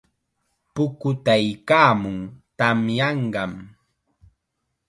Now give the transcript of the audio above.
Pukutaykaamun, tamyanqam.